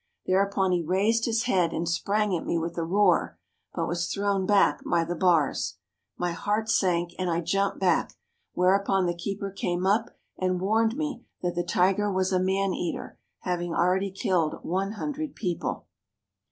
Thereupon he raised his' head and sprang at me with a roar, but was thrown back by the bars. My heart sank, and I jumped back, whereupon the keeper came up and warned me that the tiger was a maneater, having already killed one hundred people.